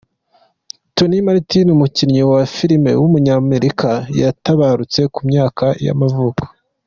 Tony Martin, umukinnyi wa filime w’umunyamerika yaratabarutse, ku myaka y’amavuko.